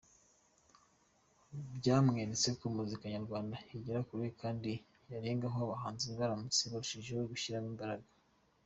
Byamweretse ko muzika Nyarwanda igera kure kandi yarengaho abahanzi baramutse barushijeho gushyiramo imbaraga.